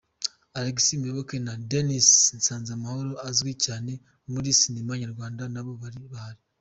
Alex Muyoboke na Dennis Nsanzamahoro uzwi cyane muri sinema nyarwanda nabo bari bahari.